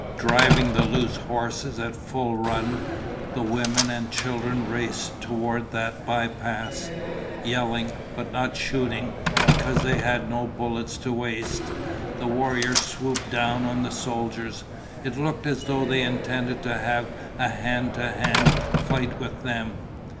Driving the loose horses at full run, the women and children raced toward that bypass. Yelling, but not shooting, because they had no bullets to waste, the warriors swooped down on the soldiers. It looked as though they intended to have a hand to hand fight with them.